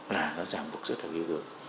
là nó giảm cuộc rất là dữ dưỡng